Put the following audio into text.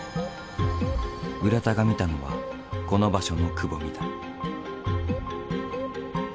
浦田が見たのはこの場所のくぼみだ。